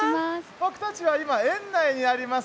僕たちは今、園内あります